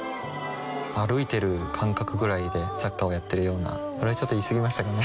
歩いている感覚ぐらいでサッカーをやっているようなこれはちょっと言い過ぎましたかね。